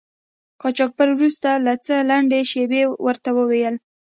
قاچاقبر وروسته له څه لنډې شیبې ورته و ویل.